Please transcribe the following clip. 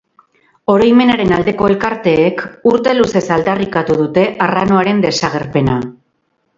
Oroimenaren aldeko elkarteek, urte luzez aldarrikatu dute arranoaren desagerpena.